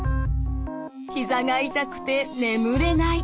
ひざが痛くて眠れない。